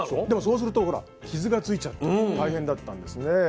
でもそうするとほら傷がついちゃって大変だったんですね。